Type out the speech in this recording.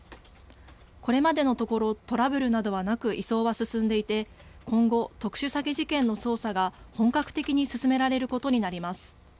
これまでのところトラブルなどはなく移送は進んでいて今後、特殊詐欺事件の捜査が本格的に進められることになります。